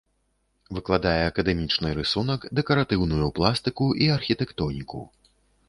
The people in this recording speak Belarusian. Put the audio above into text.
Выкладае акадэмічны рысунак, дэкаратыўную пластыку і архітэктоніку.